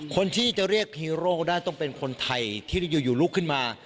คนที่จะเรียกฮีโร่ได้ต้องเป็นคนไทยที่อยู่ลุกขึ้นมา